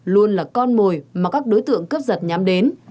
luôn là con mồi mà các đối tượng cướp giật nhắm đến